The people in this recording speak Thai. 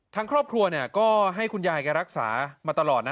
ทางครอบครัวก็ให้คุณยายแกรักษามาตลอดนะ